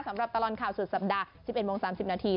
สำหรับตลอดข่าวสุดสัปดาห์๑๑โมง๓๐นาที